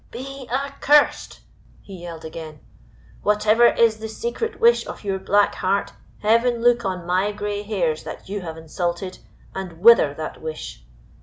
"Be accursed!" he yelled again. "Whatever is the secret wish of your black heart Heaven look on my gray hairs that you have insulted, and wither that wish.